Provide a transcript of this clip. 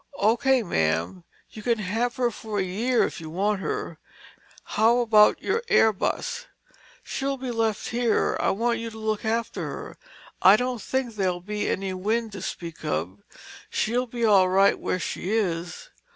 "O. K. mam. You can have her for a year if you want her. How about your air bus?" "She'll be left here. I want you to look after her. I don't think there'll be any wind to speak of. She'll be all right where she is."